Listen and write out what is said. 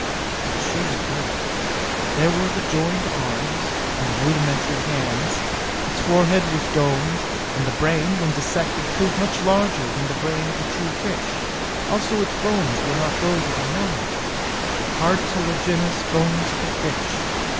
It surely did. There were the jointed arms, and the rudimentary hands. Its forehead was domed; and the brain, when dissected, proved much larger than the brain of a true fish. Also its bones were not those of a mammal, but the cartilagenous bones of a fish.